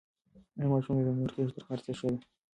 ایا ماشوم ته د مور غېږ تر هر څه ښه ده؟